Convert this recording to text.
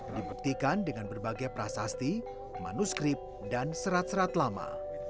dibuktikan dengan berbagai prasasti manuskrip dan serat serat lama